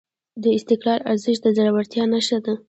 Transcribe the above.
د استقلال ارزښت د زړورتیا نښه ده.